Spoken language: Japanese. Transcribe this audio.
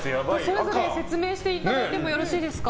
それぞれ説明していただいてもいいですか。